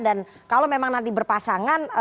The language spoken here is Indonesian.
dan kalau memang nanti berpasangan